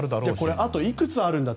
あといくつあるんだと。